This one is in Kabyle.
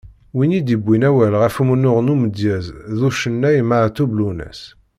Win i d-yewwin awal ɣef umennuɣ n umedyaz d ucennay Meɛtub Lwennas.